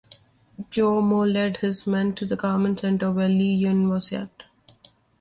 Guo Mo led his men to the government center where Liu Yin was at.